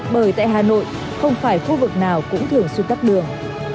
bởi tại hà nội không phải khu vực nào cũng thường suốt tắc đường